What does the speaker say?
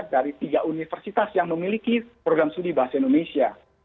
dari tiga universitas yang memiliki program studi bahasa indonesia